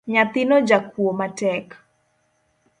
Nyathino jakuo matek.